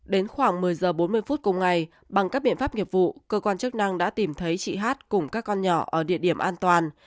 đến khoảng một mươi h bốn mươi phút cùng ngày bằng các biện pháp nghiệp vụ cơ quan chức năng đã tìm thấy chị hát cùng các con nhỏ ở địa điểm an toàn